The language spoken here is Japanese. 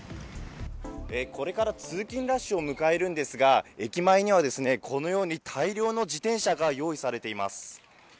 これから通勤ラッシュを迎えるんですが、駅前にはこのように大量の自転車が用意されています。